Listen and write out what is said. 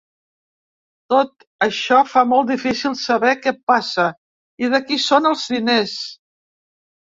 Tot això fa molt difícil saber què passa i de qui són els diners.